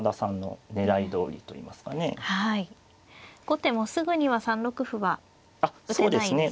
後手もすぐには３六歩は打てないんですかね。